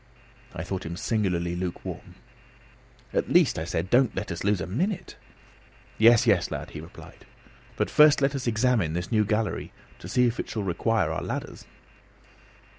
I thought him singularly lukewarm. "At least," I said, "don't let us lose a minute." "Yes, yes, lad," he replied; "but first let us examine this new gallery, to see if we shall require our ladders."